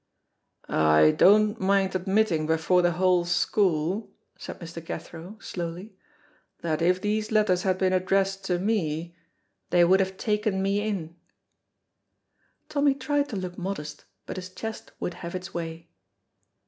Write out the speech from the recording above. "I don't mind admitting before the whole school," said Mr. Cathro, slowly, "that if these letters had been addressed to me they would have taken me in." Tommy tried to look modest, but his chest would have its way.